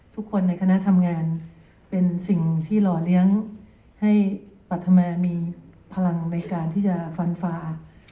ทุกคนในคณะทำงานเป็นสิ่งที่หล่อเลี้ยงให้ปรัฐแมนมีพลังในการที่จะฟันฟ้า